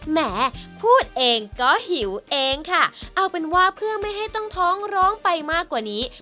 แหมพูดเองก็หิวเองค่ะเอาเป็นว่าเพื่อไม่ให้ต้องท้องร้องไปมากกว่านี้